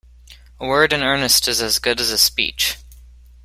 A word in earnest is as good as a speech.